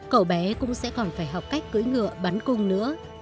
cậu bé cũng sẽ còn phải học cách cưỡi ngựa bắn cung nữa